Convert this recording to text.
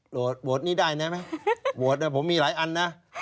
โหวตนี่ได้ไหมโหวตนี่ผมมีหลายอันนะ